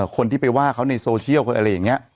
คนที่ไปว่าเขาในโซเชียลอะไรอย่างนี้